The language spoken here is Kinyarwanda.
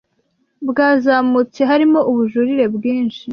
bwazamutse harimo ubujurire bwinshi